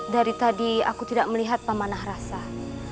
dari tadi aku tidak melihat paman arasah